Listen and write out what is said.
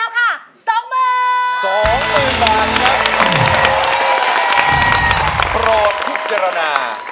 โปรดพิจารณา